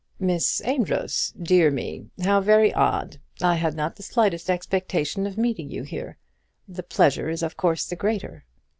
"Miss Amedroz! Dear me; how very odd! I had not the slightest expectation of meeting you here. The pleasure is of course the greater."